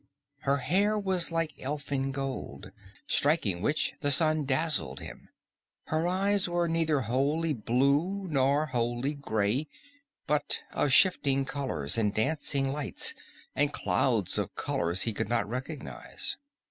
Her hair was like elfin gold, striking which, the sun dazzled him. Her eyes were neither wholly blue nor wholly grey, but of shifting colors and dancing lights and clouds of colors he could not recognize.